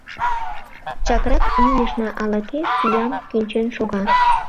Чакрак мийышна — ала-кӧ пӱям кӱнчен шога.